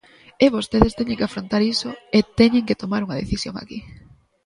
E vostedes teñen que afrontar iso e teñen que tomar unha decisión aquí.